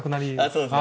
そうですね